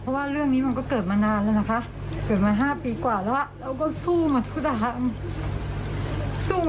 ซึ่งเรารู้ว่าลูกเราก็สู้